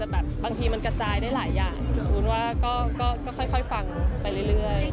แต่แบบบางทีมันกระจายได้หลายอย่างวุ้นว่าก็ค่อยฟังไปเรื่อย